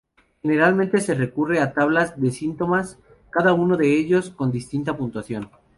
Generalmente se recurre a tablas de síntomas, cada uno de ellos con distinta puntuación.